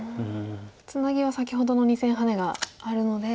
ツナギは先ほどの２線ハネがあるので。